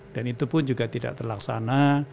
dan itu pun juga tidak terlaksana